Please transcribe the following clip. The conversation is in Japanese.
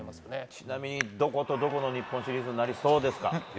ちなみに、どことどこの日本シリーズになりそうですか？